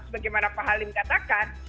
sebagaimana pak halim katakan